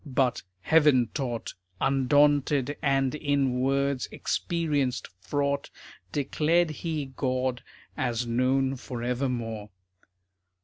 But, heaven taught, Undaunted, and in words experienced fraught, Declared he God as known forevermore.